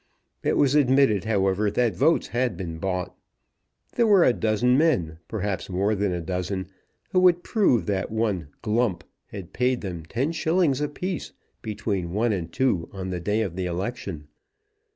It was admitted, however, that votes had been bought. There were a dozen men, perhaps more than a dozen, who would prove that one Glump had paid them ten shillings a piece between one and two on the day of the election.